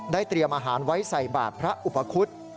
เตรียมอาหารไว้ใส่บาทพระอุปคุฎ